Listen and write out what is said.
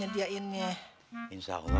daddy grup keluarga